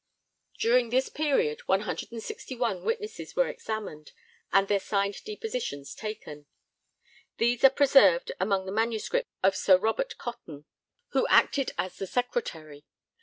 During this period 161 witnesses were examined, and their signed depositions taken. These are preserved among the manuscripts of Sir Robert Cotton, who acted as the secretary.